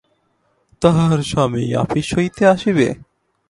তাহার স্বামী আপিস হইতে আসিবে।